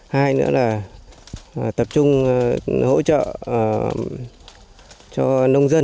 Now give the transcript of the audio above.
hai nữa là tập trung hỗ trợ cho nông dân